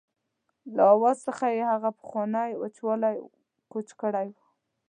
له آواز څخه یې هغه پخوانی وچوالی کوچ کړی و.